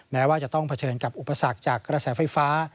แม้ว่าจะต้องเผชิญกับอุปสรรคจากกระแสไฟฟ้า